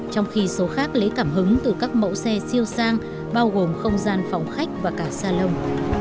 trong khi số khác lấy cảm hứng từ các mẫu xe siêu sang bao gồm không gian phòng khách và cả xa lồng